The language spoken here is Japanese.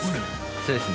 そうですね。